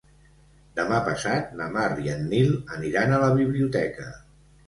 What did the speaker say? Demà passat na Mar i en Nil aniran a la biblioteca.